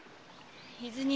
伊豆に。